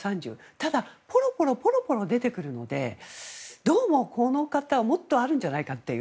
ただ、ぽろぽろ出てくるのでどうもこの方もっとあるんじゃないかという。